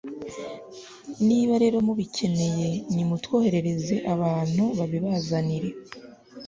niba rero mubikeneye, nimutwoherereze abantu babibazanire